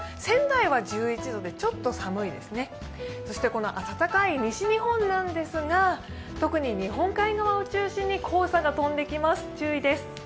仙台は１１度でちょっと寒いですね、この暖かい西日本なんですが、特に日本海側を中心に黄砂が飛んできます、注意です。